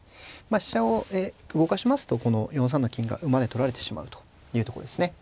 飛車を動かしますとこの４三の金が馬で取られてしまうというとこですね。